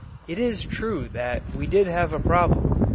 It is true that we did have a problem.